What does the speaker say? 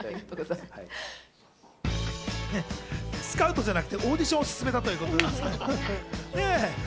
スカウトじゃなくてオーディションをすすめたということですけどね。